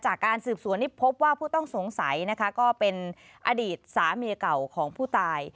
จากการสืบสวนนี้พบว่าผู้ต้องสงสัยนะคะก็เป็นอดีตสามีเก่าของผู้ตาย